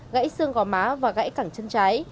gãy xương gò má và gãy cảng chân trái